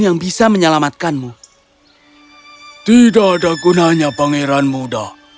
tidak ada gunanya pangeran muda